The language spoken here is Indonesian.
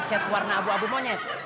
apa cat warna abu abu monyet